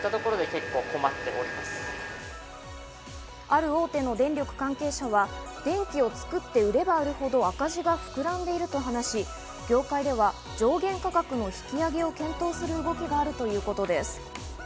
ある大手の電力関係者は電気を作って売れば売るほど赤字が膨らんでいると話し、業界では上限価格の引き上げを検討する動きがあるということです。